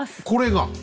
これが。